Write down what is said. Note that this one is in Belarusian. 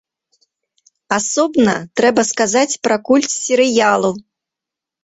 Асобна трэба сказаць пра культ серыялу.